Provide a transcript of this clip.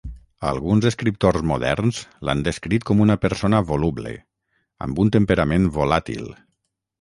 Alguns escriptors moderns l'han descrit com una persona voluble, amb un temperament volàtil.